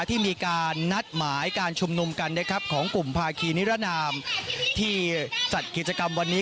ที่มีการนัดหมายการชุมนุมกันนะครับของกลุ่มภาคีนิรนามที่จัดกิจกรรมวันนี้